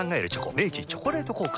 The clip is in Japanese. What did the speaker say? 明治「チョコレート効果」